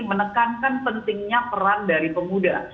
menekankan pentingnya peran dari pemuda